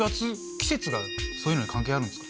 季節がそういうのに関係あるんですか？